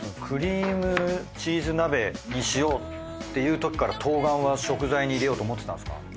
クリームチーズ鍋にしようっていうときから冬瓜は食材に入れようと思ってたんですか？